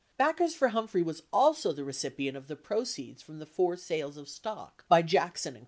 Backers for Hum phrey was also the recipient of the proceeds from the four sales of stock by Jackson & Co.